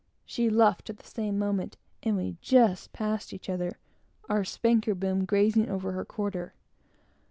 She luffed at the same moment, and we just passed one another; our spanker boom grazing over her quarter.